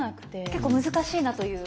結構難しいなという。